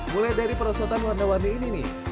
mulai dari perosotan warna warni ini nih